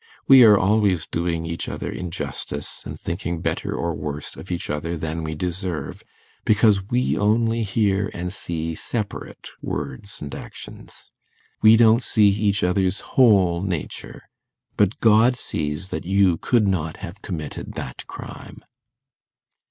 We are always doing each other injustice, and thinking better or worse of each other than we deserve, because we only hear and see separate words and actions. We don't see each other's whole nature. But God sees that you could not have committed that crime.